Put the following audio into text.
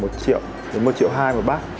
một triệu đến một triệu hai một bát